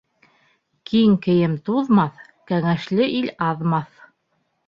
Киң кейем туҙмаҫ, кәңәшле ил аҙмаҫ.